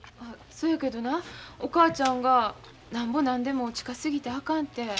そやけどなお母ちゃんがなんぼなんでも近すぎてあかんて。